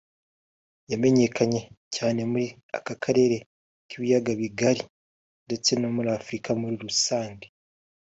wamenyekanye cyane muri aka Karere k’ibiyaga bigari ndetse no muri Afurika muri rusange